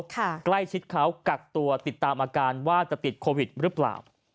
ใกล้ชิดเขากักตัวติดตามอาการว่าจะติดโควิดหรือเปล่า